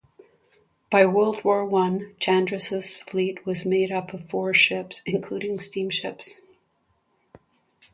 By World War One, Chandris' fleet was made up of four ships, including steamships.